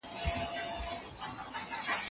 موږ به په پټي کې د سابو د کښت نوې طریقې وکاروو.